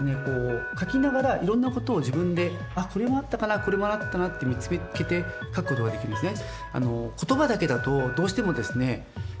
書きながらいろんなことを自分であっこれもあったかなこれもあったなって見つけて書くことができるんですね。